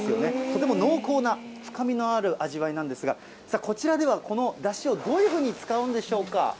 とても濃厚な、深みのある味わいなんですが、さあ、こちらでは、このだしをどういうふうに使うんでしょうか。